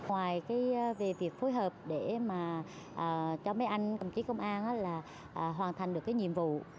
ngoài việc phối hợp để cho mấy anh công chí công an hoàn thành được nhiệm vụ